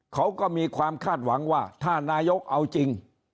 เขาก็มีความคาดหวังว่าถ้านายกเอาจริง